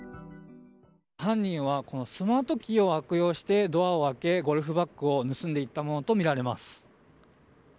犯人はこのスマートキーを悪用してドアを開け、ゴルフバッグを盗んでいったものとみられます。